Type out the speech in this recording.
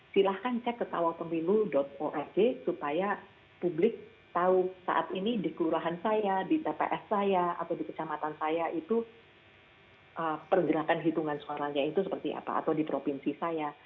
silahkan cek ke kawalpemilu ofc supaya publik tahu saat ini di kelurahan saya di tps saya atau di kecamatan saya itu pergerakan hitungan suaranya itu seperti apa atau di provinsi saya